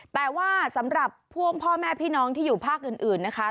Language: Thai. แต่ว่าสำหรับพวกพ่อแม่พี่น้องที่อยู่ภาคอื่นนะคะ